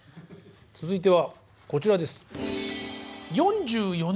続いてはこちらです。